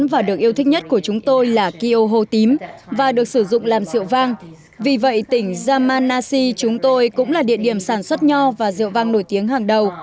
vậy tỉnh yamanashi chúng tôi cũng là địa điểm sản xuất nho và rượu vang nổi tiếng hàng đầu